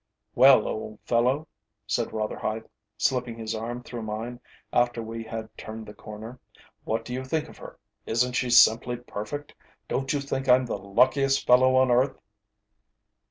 "Well, old fellow," said Rotherhithe, slipping his arm through mine after we had turned the corner, "what do you think of her? Isn't she simply perfect? Don't you think I'm the luckiest fellow on earth?"